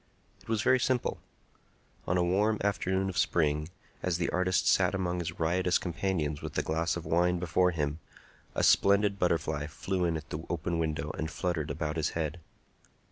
It was very simple. On a warm afternoon of spring, as the artist sat among his riotous companions with a glass of wine before him, a splendid butterfly flew in at the open window and fluttered about his head.